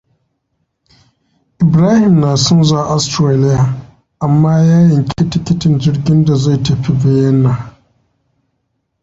Ibrahim na son zuwa Australia, amma ya yanki tikitin jirgin da zai tafi Vienna.